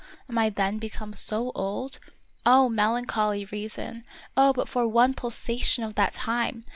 Am I then become so old? Oh, melancholy reason! Oh, but for one pulsation of that time